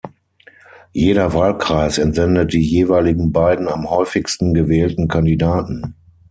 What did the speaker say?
Jeder Wahlkreis entsendet die jeweiligen beiden am häufigsten gewählten Kandidaten.